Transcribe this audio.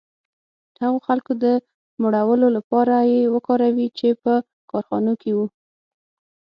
د هغو خلکو د مړولو لپاره یې وکاروي چې په کارخانو کې وو